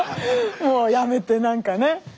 もうやめて何かね。